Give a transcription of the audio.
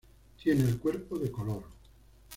Tiene el cuerpo de color.